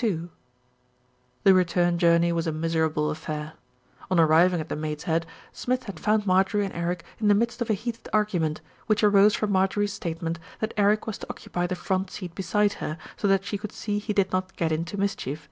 II The return journey was a miserable affair. On arriving at the Maid's Head, Smith had found Marjorie and Eric in the midst of a heated argument, which arose from Marjorie's statement that Eric was to occupy the front seat beside her, so that she could see he did not get into mischief.